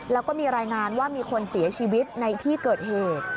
แล้วก็มีรายงานว่ามีคนเสียชีวิตในที่เกิดเหตุ